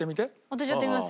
私やってみます？